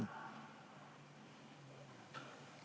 ทำให้ประชาชนมีโอกาสได้คนรุ่นใหม่ได้พักการเมืองใหม่